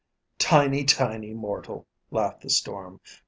"Tiny, tiny, mortal!" laughed the storm.